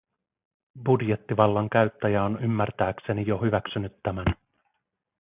Budjettivallan käyttäjä on ymmärtääkseni jo hyväksynyt tämän.